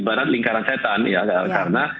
ibarat lingkaran setan ya karena